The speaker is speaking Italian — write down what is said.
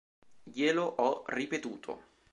Glielo ho ripetuto.